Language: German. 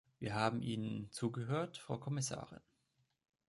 Wir haben Ihnen zugehört, Frau Kommissarin.